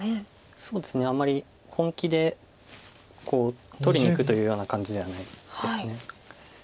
そうですねあんまり本気で取りにいくというような感じではないです。